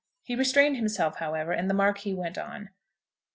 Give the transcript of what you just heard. He restrained himself, however, and the Marquis went on.